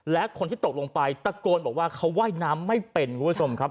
และคนที่ตกลงไปตะโกนบอกว่าเขาว่ายน้ำไม่เป็นคุณผู้ชมครับ